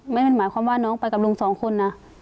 นั่นหมายความว่าน้องไปกับลุงสองคนนะ